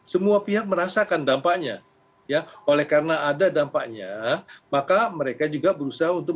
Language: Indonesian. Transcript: semua pihak merasakan dampaknya ya oleh karena ada dampaknya maka mereka juga berusaha untuk